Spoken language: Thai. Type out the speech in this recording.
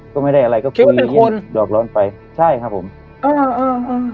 ก็ไม่ได้อะไรก็คุยคิดว่าเป็นคนดอกร้อนไปใช่ครับผมอ่าอ่าอ่า